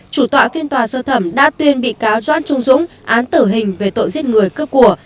chủ tọa phiên tòa sơ thẩm đã tuyên bị cáo doãn trung dũng án tử hình về tội giết người cướp của